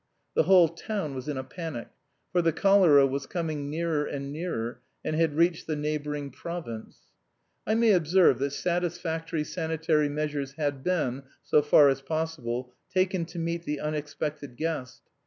The whole town was in a panic, for the cholera was coming nearer and nearer and had reached the neighbouring province. I may observe that satisfactory sanitary measures had been, so far as possible, taken to meet the unexpected guest.